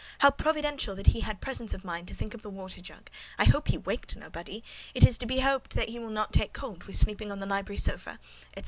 "How providential that he had presence of mind to think of the water jug!" "I wonder he waked nobody!" "It is to be hoped he will not take cold with sleeping on the library sofa," &c.